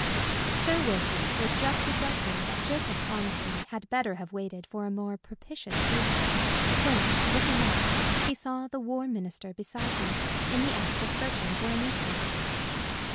Sir Wilfrid was just reflecting that Jacob's honesty had better have waited for a more propitious season, when, looking up, he saw the War Minister beside him, in the act of searching for a newspaper.